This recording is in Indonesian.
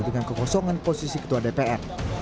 dengan kekosongan posisi ketua dpr